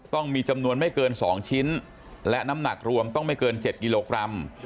ต้องมีจำนวนไม่เกิน๒ชิ้นและน้ำหนักรวมต้องไม่เกิน๗กิโลกรัม